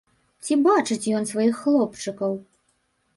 Ці бачыць ён сваіх хлопчыкаў?